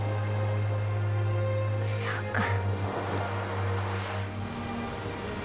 そうか。